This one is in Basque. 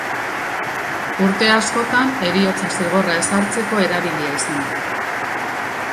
Uste askoan heriotza zigorra ezartzeko erabilia izan da.